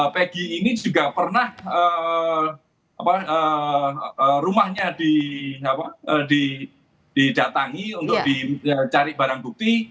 pagi ini juga pernah rumahnya didatangi untuk dicari barang bukti